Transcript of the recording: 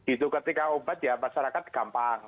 itu ketika obat ya masyarakat gampang